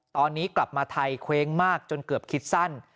ตอนนี้กลับมาไทยเคว้งมากจนเกือบคิดสั้น